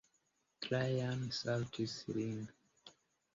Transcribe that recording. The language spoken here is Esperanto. Trajan salutis lin.